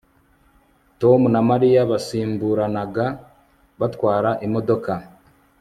Tom na Mariya basimburanaga batwara imodoka